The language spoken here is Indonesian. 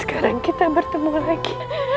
sekarang kita bertemu lagi